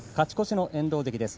放送席、勝ち越しの遠藤関です。